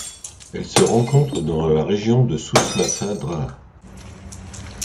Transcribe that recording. Elle se rencontre dans la région de Souss-Massa-Drâa.